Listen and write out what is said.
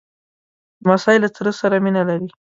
لمسی له تره سره مینه لري.